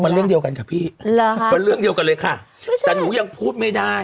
มันเรื่องเดียวกันค่ะพี่มันเรื่องเดียวกันเลยค่ะแต่หนูยังพูดไม่ได้